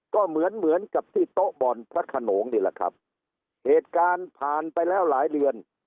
ก็เหมือนเหมือนกับที่โต๊ะบ่อนพระขนงนี่แหละครับเหตุการณ์ผ่านไปแล้วหลายเดือน